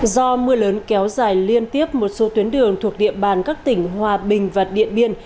do mưa lớn kéo dài liên tiếp một số tuyến đường thuộc địa bàn các tỉnh hòa bình và điện biên